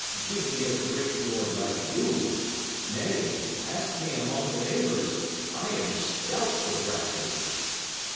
Give me a great lord like you. Nay; ask me among the neighbours, I am stout for Brackley."